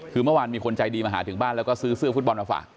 คือเมื่อวานมีคนใจดีมาหาถึงบ้านแล้วก็ซื้อเสื้อฟุตบอลมาฝาก